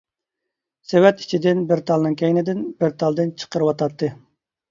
سېۋەت ئىچىدىن بىر تالنىڭ كەينىدىن بىر تالدىن چىقىرىۋاتاتتى.